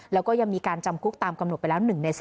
แล้วก็ยังมีการจำคุกตามกำหนดไปแล้ว๑ใน๓